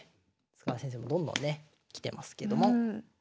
塚田先生もどんどんね来てますけども。